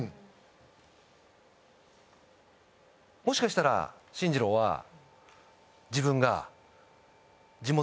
もしかしたら進次郎は自分が。